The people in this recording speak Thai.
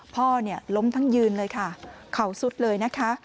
พ่อเนี่ยล้มทั้งยืนเลยค่ะเข่าสุดเลยนะคะ